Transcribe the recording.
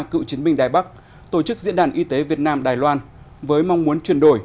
cựu chiến binh đài bắc tổ chức diễn đàn y tế việt nam đài loan với mong muốn chuyển đổi